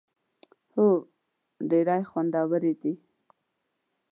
هو، ډیری خوندورې دي